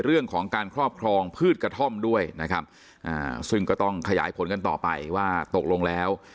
เรื่องของการครอบครองพืชกระท่อมด้วยนะครับอ่าซึ่งก็ต้องขยายผลกันต่อไปว่าตกลงแล้ว